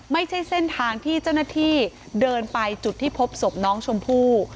ไม่ใช่เส้นทางที่เจ้าหน้าที่เดินไปจุดที่พบศพน้องชมพู่